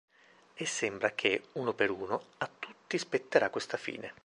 E sembra che, uno per uno, a tutti spetterà questa fine.